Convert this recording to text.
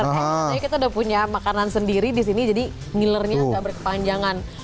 kayaknya kita udah punya makanan sendiri di sini jadi ngilernya gak berkepanjangan